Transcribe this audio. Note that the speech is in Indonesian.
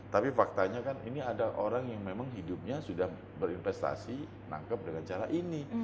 tapi faktanya kan ini ada orang yang memang hidupnya sudah berinvestasi nangkep dengan cara ini